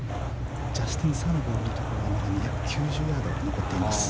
ジャスティン・サーのボールからはまだ２９０ヤード残っています。